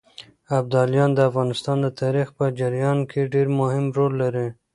ابداليان د افغانستان د تاريخ په جريان کې ډېر مهم رول لري.